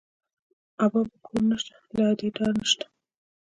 ابا په کور نه شته، له ادې ډار نه شته